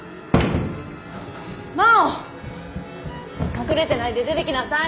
隠れてないで出てきなさい。